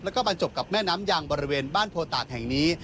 แล้วก็บรรจบกับแม่น้ำยางบริเวณบ้านโพตาดแห่งนี้